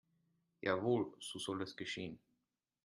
Jawohl, so soll es geschehen.